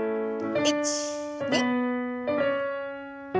１２。